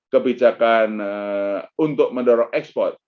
kebijakan untuk mendorong ekspor